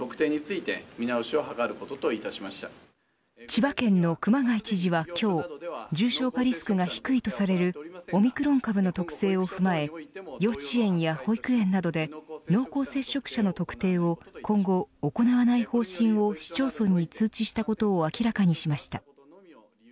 千葉県の熊谷知事は今日重症化リスクが低いとされるオミクロン株の特性を踏まえ幼稚園や保育園などで濃厚接触者の特定を今後行わない方針を市町村に通知したことを明らかにしました。